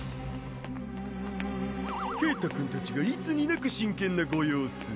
ケータくんたちがいつになく真剣なご様子。